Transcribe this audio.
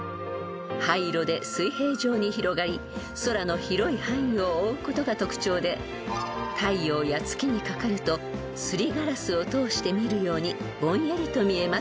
［灰色で水平状に広がり空の広い範囲を覆うことが特徴で太陽や月にかかるとすりガラスを通して見るようにぼんやりと見えます］